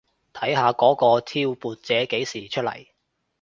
睇下嗰個挑撥者幾時出嚟